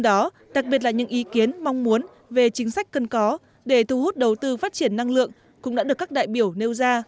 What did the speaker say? đặc biệt là những ý kiến mong muốn về chính sách cần có để thu hút đầu tư phát triển